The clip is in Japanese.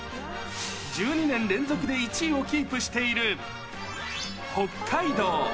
１２年連続で１位をキープしている北海道。